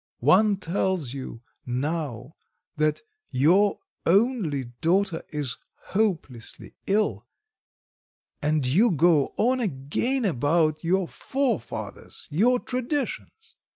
One tells you now that your only daughter is hopelessly ill, and you go on again about your forefathers, your traditions.